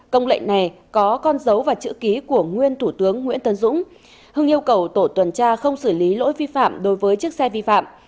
công lệnh này có con dấu và chữ ký của nguyên thủ tướng nguyễn tân dũng hưng yêu cầu tổ tuần tra không xử lý lỗi vi phạm đối với chiếc xe vi phạm